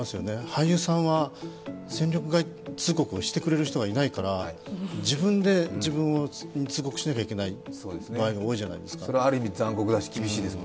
俳優さんは戦力外通告をしてくれる人がいないから自分で自分を通告しなくちゃいけない場合が多いじゃないですか。